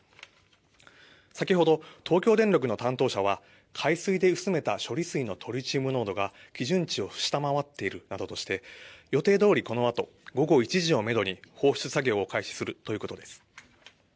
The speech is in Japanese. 先ほど東京電力の担当者は海水で薄めた処理水のトリチウム濃度が基準値を下回っているなどとして予定どおり、このあと午後１時をめどに放出作業を開始するということです。